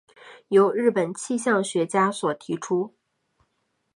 由日本气象学家所提出。